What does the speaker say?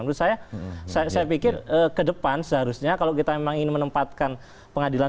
menurut saya saya pikir ke depan seharusnya kalau kita memang ingin menempatkan pengadilan